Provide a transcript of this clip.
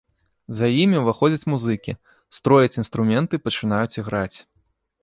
За імі ўваходзяць музыкі, строяць інструменты і пачынаюць іграць.